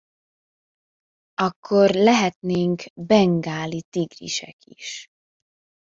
Akkor lehetnénk Bengáli Tigrisek is.